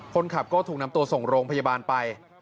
คนขับก็ถูกนำตัวส่งโรงพยาบาลไป